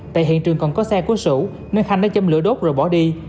tại hiện trường còn có xe của sủ nên khanh đã châm lửa đốt rồi bỏ đi